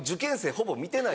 ほぼ見てない。